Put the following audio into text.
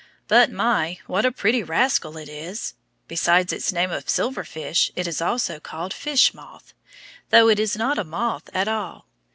But my! what a pretty rascal it is! Besides its name of silver fish, it is also called fish moth, though it is not a moth at all.